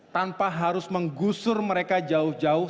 tanpa harus menggusur mereka jauh jauh